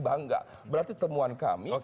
bangga berarti temuan kami